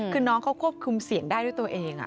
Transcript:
คือน้องเขาควบคุมเสียงได้ด้วยตัวเอง